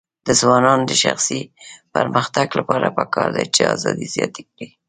د ځوانانو د شخصي پرمختګ لپاره پکار ده چې ازادي زیاته کړي.